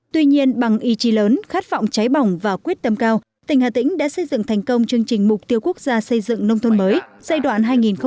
tuy nhiên bằng ý chí lớn khát vọng cháy bỏng và quyết tâm cao tỉnh hà tĩnh đã xây dựng thành công chương trình mục tiêu quốc gia xây dựng nông thôn mới giai đoạn hai nghìn một mươi sáu hai nghìn hai mươi